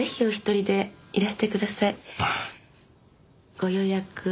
ご予約